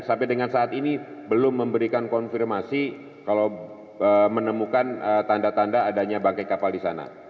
sampai dengan saat ini belum memberikan konfirmasi kalau menemukan tanda tanda adanya bangkai kapal di sana